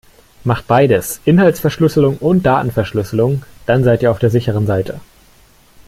Macht beides, Inhaltsverschlüsselung und Datenverschlüsselung, dann seit ihr auf der sicheren Seite.